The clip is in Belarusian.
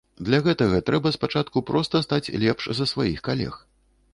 Для гэтага трэба спачатку проста стаць лепш за сваіх калег.